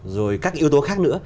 rồi các yếu tố khác nữa